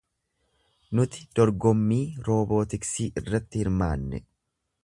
Nuti dorgommii roobootiksii irratti hirmaanne.